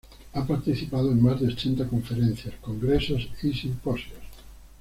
Ha participado en más de ochenta conferencias, congresos y simposios.